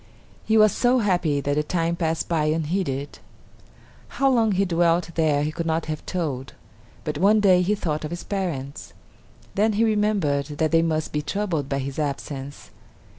He was so happy that the time passed by unheeded. How long he dwelt there he could not have told. But one day he thought of his parents; then he remembered that they must be troubled by his absence.